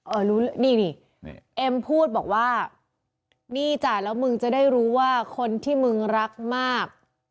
รู้นี่นี่เอ็มพูดบอกว่านี่จ้ะแล้วมึงจะได้รู้ว่าคนที่มึงรักมาก